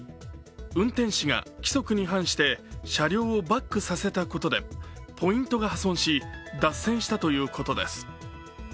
運転士が規則に反して車両をバックさせたことでポイントが破損し脱線したということです。